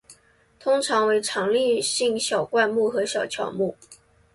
通常为常绿性小灌木或小乔木。